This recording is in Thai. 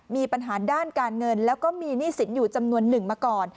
มีปัญหาด้านการเงินแล้วก็มีหนี้สินอยู่จำนวนหนึ่งมาก่อน